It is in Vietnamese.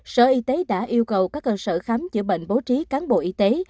sở y tế đã yêu cầu các cơ sở khám chữa bệnh bố trí cán bộ y tế